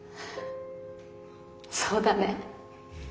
そうだね。